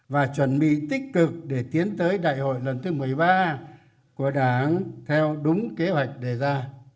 và chuẩn bị tích cực để tiến tới đại hội lần thứ một mươi ba của đảng theo đúng kế hoạch đề ra